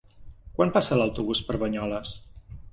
Quan passa l'autobús per Banyoles?